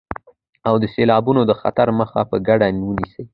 او د سيلابونو د خطر مخه په ګډه ونيسئ.